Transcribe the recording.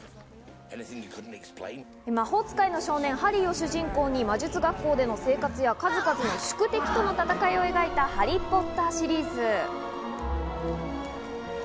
魔法使いの少年・ハリーを主人公にした魔術学校での生活や数々の宿敵との戦いを描いた『ハリー・ポッター』シリーズ。